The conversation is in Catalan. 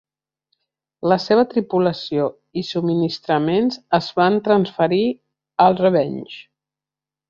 La seva tripulació i subministraments es van transferir al "Revenge".